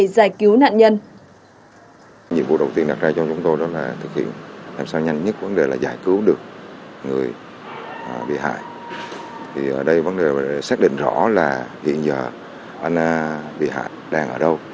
giải cứu nạn nhân